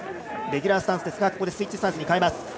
レギュラースタンスですがスイッチスタンスに変えます。